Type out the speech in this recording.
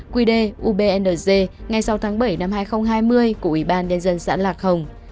quy đề ubng ngay sau tháng bảy năm hai nghìn hai mươi của ủy ban nhân dân xã lạc hồng